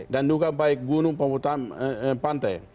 dan juga baik gunung pemutaran pantai